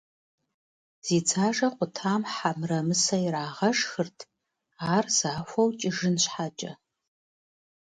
Зи дзажэ къутам хьэ мырамысэ ирагъэшхырт, ар захуэу кӀыжын щхьэкӀэ.